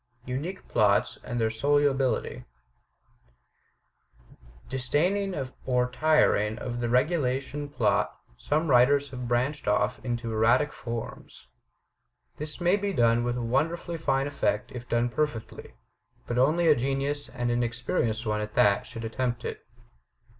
Unique Plots and Their Solubility Disdaining or tiring of the regulation plot, some writers have branched off into erratic forms. This may be done with wonderfully fine effect if done perfectly. But only a genius, and an experienced one at that, should attempt it.